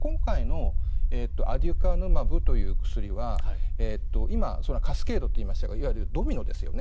今回のアデュカヌマブという薬は今、カスケードといいましたがドミノですよね。